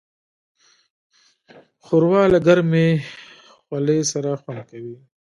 ښوروا له ګرمې خولې سره خوند کوي.